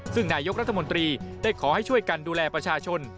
ซึ่งนายกรัฐมนตรีได้ขอให้ช่วยกันดูแลประชาชน